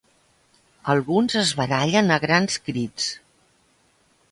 Alguns es barallen a grans crits.